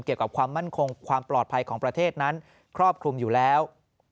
ความมั่นคงความปลอดภัยของประเทศนั้นครอบคลุมอยู่แล้ว